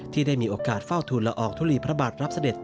ที่ได้มีโอกาสเฝ้าทุนละอองทุลีพระบาทรับเสด็จ